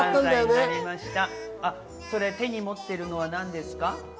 手に持ってるのは何ですか？